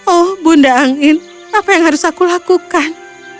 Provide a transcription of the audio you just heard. oh bunda angin apa yang harus aku lakukan